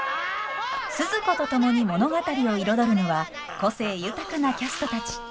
スズ子と共に物語を彩るのは個性豊かなキャストたち。